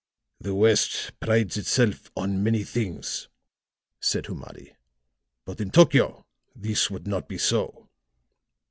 "The West prides itself on many things," said Humadi, "but in Tokio, this would not be so."